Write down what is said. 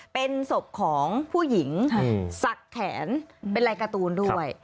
เป็นศพของผู้หญิงสักแขนเป็นลายการ์ตูนด้วย